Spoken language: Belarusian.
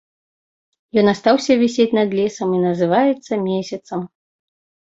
Ён астаўся вісець над лесам і называецца месяцам.